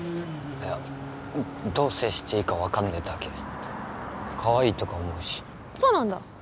いやどう接していいか分かんねえだけかわいいとか思うしそうなんだ？